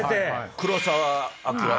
黒澤明風。